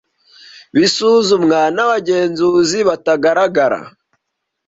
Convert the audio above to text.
bisuzumwa n’abagenzuzi batagaragara